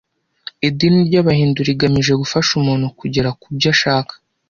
Idini ry’Abahindu rigamije gufasha umuntu kugera kubyo ashaka